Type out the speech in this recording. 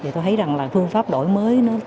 tôi thấy phương pháp đổi mới